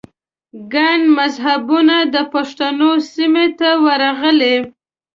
ګڼ مذهبونه د پښتنو سیمې ته ورغلي